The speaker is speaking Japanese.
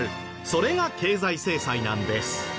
それが経済制裁なんです。